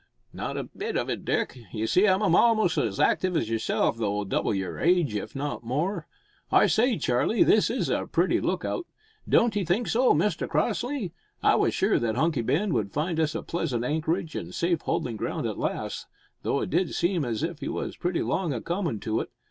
"Not a bit of it, Dick. You see I'm a'most as active as yourself though double your age, if not more. I say, Charlie, this is a pretty look out. Don't 'ee think so, Mr Crossley? I was sure that Hunky Ben would find us a pleasant anchorage and safe holding ground at last, though it did seem as if we was pretty long o' comin' to it.